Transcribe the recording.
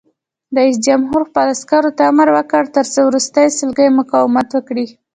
رئیس جمهور خپلو عسکرو ته امر وکړ؛ تر وروستۍ سلګۍ مقاومت وکړئ!